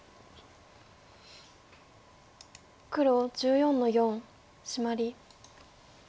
黒１４の四シマリ。